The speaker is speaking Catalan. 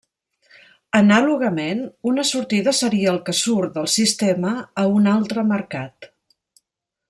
Anàlogament, una sortida seria el que surt del sistema a un altre mercat.